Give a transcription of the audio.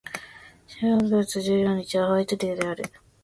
三月十四日はホワイトデーである